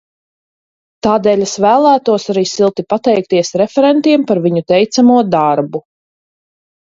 Tādēļ es vēlētos arī silti pateikties referentiem par viņu teicamo darbu.